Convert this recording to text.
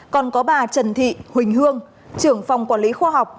còn có bà trần thị huỳnh hương trưởng phòng quản lý khoa học